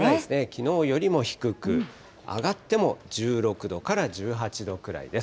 きのうよりも低く、上がっても１６度から１８度くらいです。